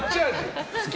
好き？